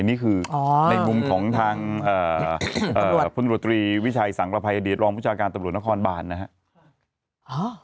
นี่คือในมุมทางพรวิชัยสังตรภัยอดีตรองปุจาการตำรวจนครบาลนะฮะ